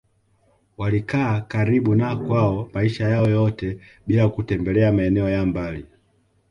Walikaa karibu na kwao maisha yao yote bila kutembelea maeneo ya mbali